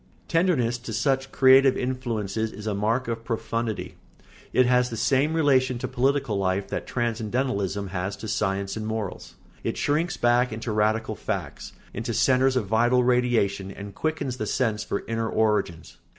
] Tenderness to such creative influences is a mark of profundity; it has the same relation to political life that transcendentalism has to science and morals; it shrinks back into radical facts, into centres of vital radiation, and quickens the sense for inner origins.